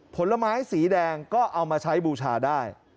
ผลไม้สีแดงก็เอามาใช้บูชาได้